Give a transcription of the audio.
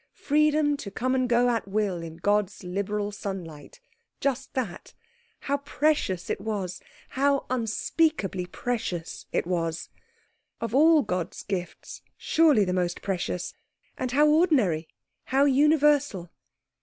Freedom to come and go at will in God's liberal sunlight just that how precious it was, how unspeakably precious it was. Of all God's gifts, surely the most precious. And how ordinary, how universal.